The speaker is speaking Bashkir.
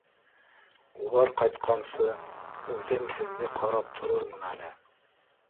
Улар ҡайтҡансы үҙем һеҙҙе ҡарап торормон әле.